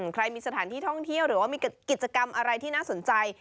ใครมีสถานที่ท่องเที่ยวหรือว่ามีกิจกรรมอะไรที่น่าสนใจ